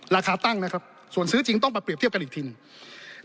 ราคาตั้งนะครับส่วนซื้อจริงต้องมาเปรียบเทียบกันอีกที